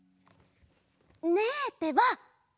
ねえってば！